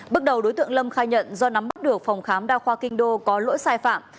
bước đầu đối tượng lâm khai nhận do nắm bắt được phòng khám đa khoa kinh đô có lỗi sai phạm